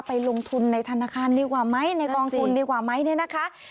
ไปลงทุนในธนาคารดีกว่าไหมในกองทุนดีกว่าไหมเนี่ยนะคะ